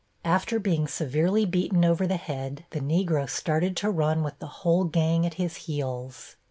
After being severely beaten over the head, the Negro started to run with the whole gang at his heels.